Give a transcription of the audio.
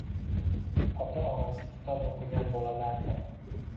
Ota-onasi kitob o‘qigan bolalardir.